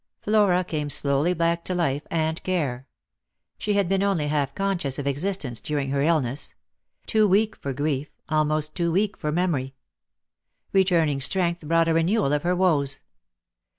Flora came slowly back to life and care. She had been only half conscious of existence during her illness ; too weak for grief, almost too weak for memory. Eeturning strength brought a renewal of her woes.